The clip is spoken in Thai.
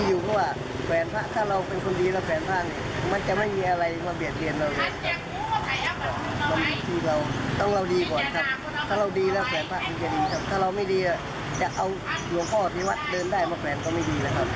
อยากเอาหลวงพ่ออภิวัตรเดินได้มาแขวนก็ไม่ดีแล้วครับ